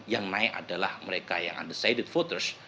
yang naik adalah mereka yang undecided voters